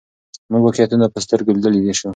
موږ واقعیتونه په سترګو لیدلای سو.